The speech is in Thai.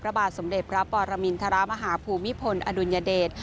พระบาทสมเด็จพระปรมินทรมาฮภูมิพลอดุลยเดช